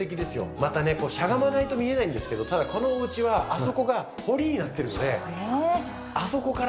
またねこうしゃがまないと見えないんですけどただこのお家はあそこが掘りになっているのであそこから。